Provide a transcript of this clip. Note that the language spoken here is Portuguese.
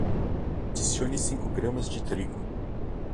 adicione cinco gramas de trigo.